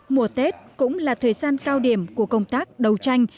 mùa tết cũng là thời gian cao điểm của công tác đấu tranh